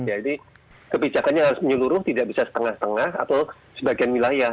jadi kebijakannya harus menyeluruh tidak bisa setengah setengah atau sebagian wilayah